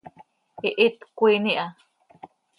Ihít cöquiin iha.